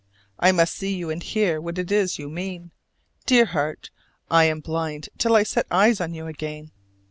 I must see you and hear what it is you mean. Dear heart, I am blind till I set eyes on you again!